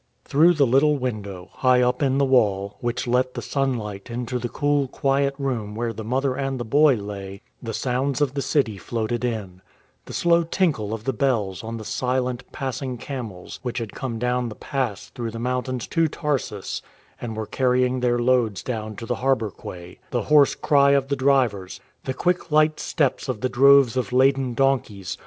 Through the little window, high up in the wall, which let the sunlight into the cool, quiet room where the mother and the boy lay, the sounds of the city floated in — the slow tinkle of the bells on the silent, passing camels which had come down the pass through the mountains to Tarsus and were carrying their loads down to the harbour quay; the hoarse cry of the drivers; the quick, light steps of the droves of laden donkeys